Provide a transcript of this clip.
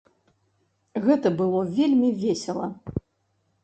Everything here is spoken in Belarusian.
Гэта было вельмі весела.